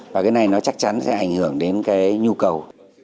và cái này nó chắc chắn sẽ ảnh hưởng đến cái nhu cầu